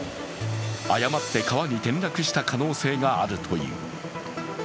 誤って川に転落した可能性があるという。